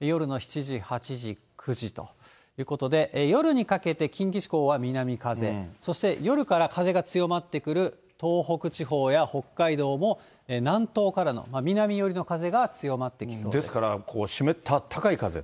夜の７時、８時、９時ということで、夜にかけて、近畿地方は南風、そして夜から風が強まってくる東北地方や北海道も、南東からの、ですから、そうです。